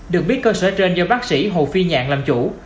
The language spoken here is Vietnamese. được biết cơ sở trên do bác sĩ hồ phi nhạn làm chủ